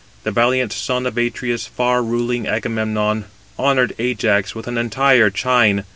The valiant son of Atreus, far ruling Agamemnon, honoured Ajax with an entire chine.